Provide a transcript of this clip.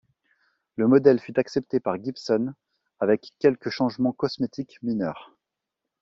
Le modèle fut accepté par Gibson avec quelques changements cosmétiques mineurs.